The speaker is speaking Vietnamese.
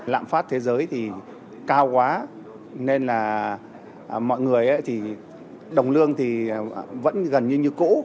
lạm phát thế giới thì cao quá nên là mọi người thì đồng lương thì vẫn gần như như cũ